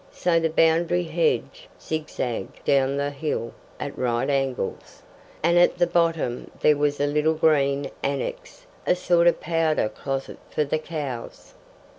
So the boundary hedge zigzagged down the hill at right angles, and at the bottom there was a little green annex a sort of powder closet for the cows.